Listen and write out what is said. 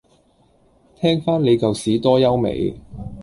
聽返你舊屎多優美